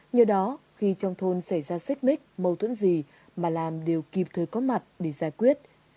như đó khi trong thôn xảy ra xích mít mâu tuẫn gì ma lam đều kịp thời có mặt để giải quyết